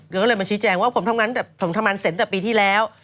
ก็เลยมาชี้แจงว่าผมทำงานเสร็จแต่ปีที่แล้ว